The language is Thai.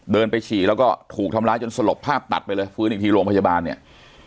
เดินไปฉี่แล้วก็ถูกทำร้ายจนสลบภาพตัดไปเลยฟื้นอีกทีโรงพยาบาลเนี่ย